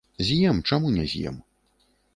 З'ем, чаму не з'ем?